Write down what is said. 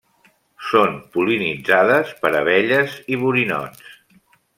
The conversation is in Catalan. Són pol·linitzades per abelles i borinots.